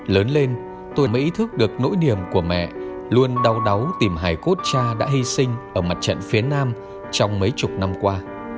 lớn lên tôi mới ý thức được nỗi niềm của mẹ luôn đau đáu tìm hải cốt cha đã hy sinh ở mặt trận phía nam trong mấy chục năm qua